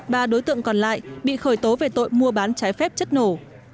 ba đối tượng còn lại bị khởi tố về tội mua bán trái phép chất nổ